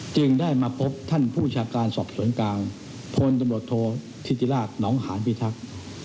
จึงได้มาพบท่านผู้ชาการสอบสวนกลางพลตำรวจโทษธิติราชหนองหานพิทักษ์